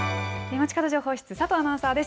まちかど情報室、佐藤アナウンサーです。